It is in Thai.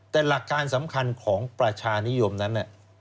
แต่หลักการสำคัญของประชานิยมนั้น